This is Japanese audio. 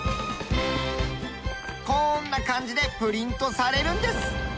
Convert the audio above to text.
こんな感じでプリントされるんです！